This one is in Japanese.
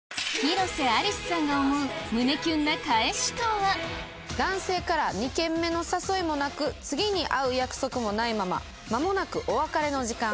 広瀬アリスさんが思う男性から２軒目の誘いもなく次に会う約束もないまま間もなくお別れの時間。